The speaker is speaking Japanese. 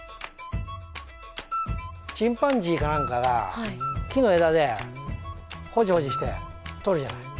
チンパンジーかなんかが木の枝でほじほじしてとるじゃない。